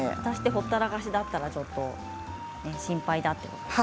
ほったらかしだったらちょっと心配だと。